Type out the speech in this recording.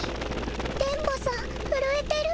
電ボさんふるえてる。